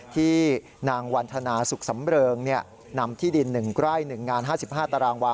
ที่นางวันธนาสุขสำเริงนำที่ดิน๑ไร่๑งาน๕๕ตารางวา